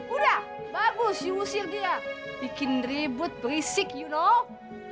udah bagus usir dia bikin ribut berisik you know